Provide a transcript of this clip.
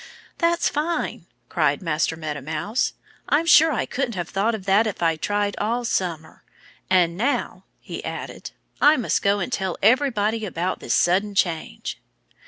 "That's fine!" cried Master Meadow Mouse. "I'm sure I couldn't have thought of that if I'd tried all summer. And now," he added, "I must go and tell everybody about this sudden change."